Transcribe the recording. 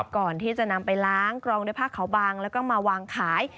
ก่อนที่จะนำไปล้างกรองด้วยผ้าขาวบางแล้วก็มาวางขาย